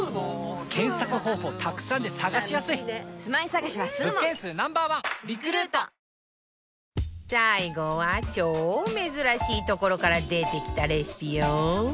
最後は超珍しいところから出てきたレシピよ